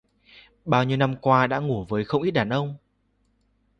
bao nhiêu năm qua đã ngủ với không ít đàn ông